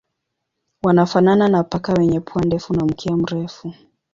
Wanafanana na paka wenye pua ndefu na mkia mrefu.